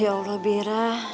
ya allah bira